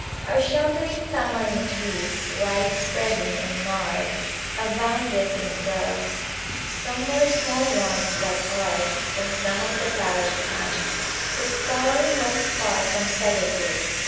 Our sheltering tamarind trees, wide spreading and gnarled, abounded in doves; some were small ones like ours, and some of the parrot kind, whose cawing was far from sedative.